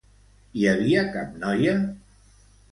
Hi havia cap noia?